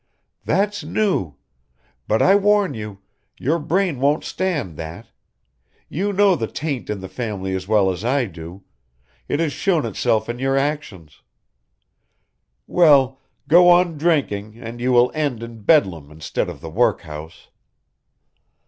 "That's new. But I warn you, your brain won't stand that. You know the taint in the family as well as I do, it has shewn itself in your actions. Well, go on drinking and you will end in Bedlam instead of the workhouse.